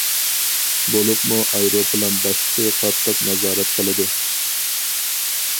بولۇپمۇ ئايروپىلان باشلىقى قاتتىق نازارەت قىلىدۇ.